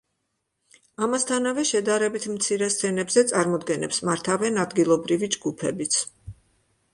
ამასთანავე, შედარებით მცირე სცენებზე წარმოდგენებს მართავენ ადგილობრივი ჯგუფებიც.